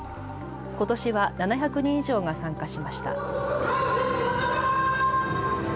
ことしは７００人以上が参加しました。